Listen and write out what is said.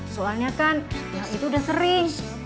soalnya kan ya itu udah sering